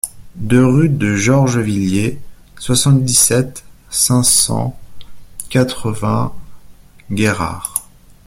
deux rue de Georgevilliers, soixante-dix-sept, cinq cent quatre-vingts, Guérard